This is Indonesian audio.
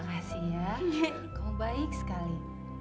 makasih ya kamu baik sekali